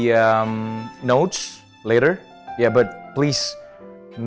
ya tapi tolonglah buat bunga yang paling indah